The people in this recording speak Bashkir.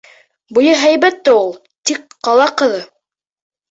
Буйы һәйбәт тә ул. Тик ҡала ҡыҙы.